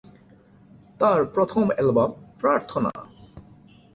তার প্রথম অ্যালবাম ‘প্রার্থনা’।